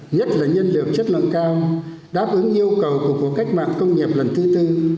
nhất là nhân lực chất lượng cao đáp ứng yêu cầu của cuộc cách mạng công nghiệp lần thứ tư